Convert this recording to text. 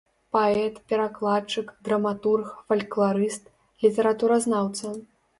Паэт, перакладчык, драматург, фалькларыст, літаратуразнаўца.